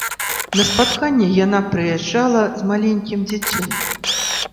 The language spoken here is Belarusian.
На спатканні яна прыязджала з маленькім дзіцём.